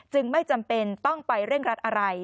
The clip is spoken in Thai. ไม่จำเป็นต้องไปเร่งรัดอะไร